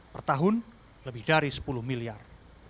pertahun lebih dari sepuluh miliar